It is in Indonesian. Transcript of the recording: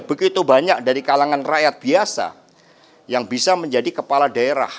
begitu banyak dari kalangan rakyat biasa yang bisa menjadi kepala daerah